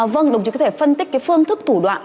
vâng đồng chí có thể phân tích cái phương thức thủ đoạn